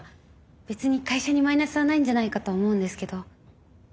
別に会社にマイナスはないんじゃないかと思うんですけど。